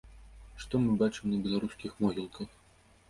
Што мы бачым на беларускіх могілках?